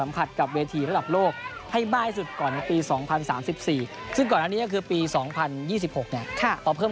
มีโอกาสก็มีขึ้นเยอะเลย